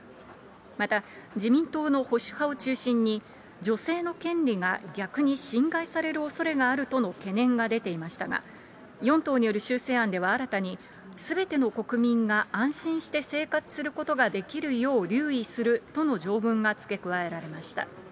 また、自民党の保守派を中心に、女性の権利が逆に侵害されるおそれがあるとの懸念が出ていましたが、４党による修正案では新たに、すべての国民が安心して生活することができるよう留意するとの条文が付け加えられました。